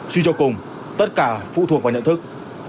suy cho cùng tất cả phụ thuộc vào nhận thức